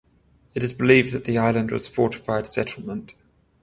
It is believed that the island was fortified settlement.